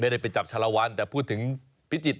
ไม่ได้ไปจับชารวัลแต่พูดถึงภิจิตนี้